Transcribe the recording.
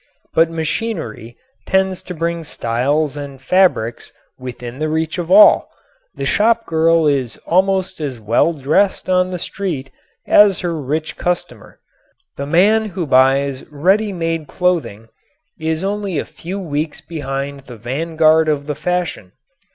But machinery tends to bring styles and fabrics within the reach of all. The shopgirl is almost as well dressed on the street as her rich customer. The man who buys ready made clothing is only a few weeks behind the vanguard of the fashion.